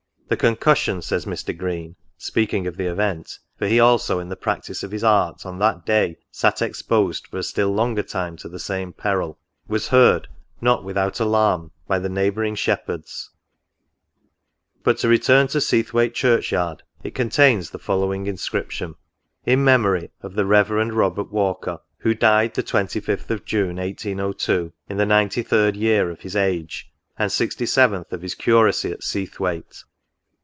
" The concussion," says Mr. Green, speaking of the event, (for he also, in the practice of his art, on that day sat exposed for a still longer time to the same peril) " was heard, not without alarm, by the neighbouring shep herds." But to return to Seathwaite Church yard : it con tains the following inscription. " In memory of the Reverend Robert Walker, who died the 25th of June, 1802, in the 93d year of his age, and 67th of his curacy at Seathwaite.